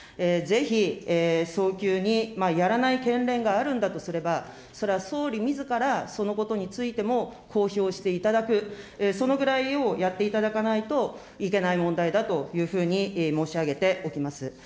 ぜひ早急に、やらない県連があるんだとすれば、それは総理みずからそのことについても公表していただく、そのぐらいをやっていただかないといけない問題だというふうに申し上げておきます。